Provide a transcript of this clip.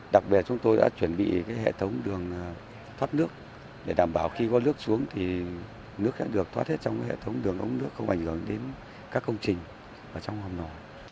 đặc biệt chúng tôi đã chuẩn bị hệ thống đường thoát nước để đảm bảo khi có nước xuống thì nước sẽ được thoát hết trong hệ thống đường ống nước không ảnh hưởng đến các công trình ở trong hầm lò